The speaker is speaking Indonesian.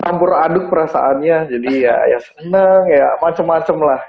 campur aduk perasaannya jadi ya seneng ya macem macem lah